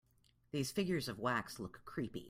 These figures of wax look creepy.